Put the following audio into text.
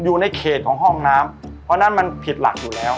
อยู่ในเขตของห้องน้ำเพราะฉะนั้นมันผิดหลักอยู่แล้ว